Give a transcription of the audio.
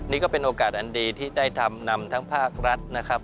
นี่ก็เป็นโอกาสอันดีที่ได้ทำนำทั้งภาครัฐนะครับ